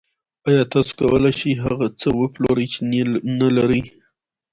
آیا تاسو کولی شئ هغه څه وپلورئ چې نلرئ